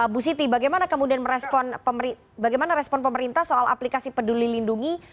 bu siti bagaimana kemudian merespon bagaimana respon pemerintah soal aplikasi peduli lindungi